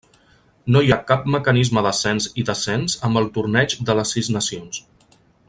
No hi ha cap mecanisme d'ascens i descens amb el Torneig de les Sis Nacions.